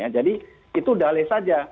jadi itu dales saja